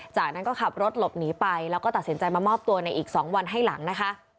จากนั้นก็ขับรถหลบหนีไปแล้วก็ตัดสินใจมามอบตัวในอีก๒วันให้หลังนะคะ